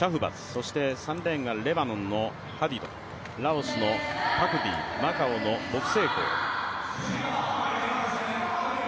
そして３レーンがレバノンのハディド、ラオスのポンパクディ、マカオの、卜政浩。